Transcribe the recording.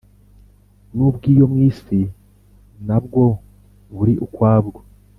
N ubw iyo mu isi na bwo buri ukwabwo